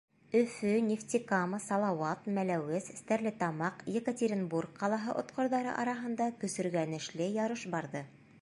Өфө, Нефтекама, Салауат, Мәләүез, Стәрлетамаҡ, Екатеринбург ҡалаһы отҡорҙары араһында көсөргәнешле ярыш барҙы.